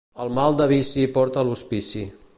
El mal de vici porta a l'hospici.